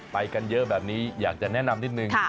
ไปกันเยอะแบบนี้อยากจะแนะนำนิดนึง